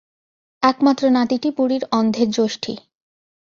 একমাত্র নাতিটি বুড়ির অন্ধের যষ্টি।